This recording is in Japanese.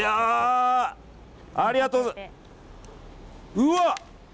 うわっ！